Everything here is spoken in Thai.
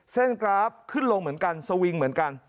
กราฟขึ้นลงเหมือนกันสวิงเหมือนกัน